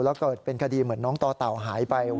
แล้วเกิดเป็นคดีเหมือนน้องต่อเต่าหายไป